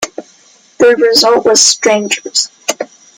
The result was "Strangers".